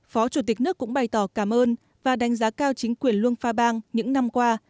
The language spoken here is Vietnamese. phó chủ tịch nước cũng bày tỏ cảm ơn và đánh giá cao chính quyền luôn pha bang những năm qua